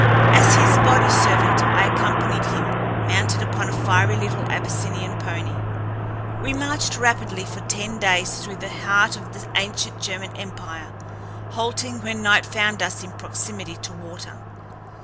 As his body servant, I accompanied him mounted upon a fiery little Abyssinian pony. We marched rapidly for ten days through the heart of the ancient German empire, halting when night found us in proximity to water.